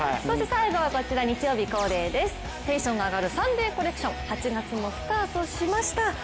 最後はこちら日曜日恒例ですテンションが上がる「サンデーコレクション」８月もスタートしました。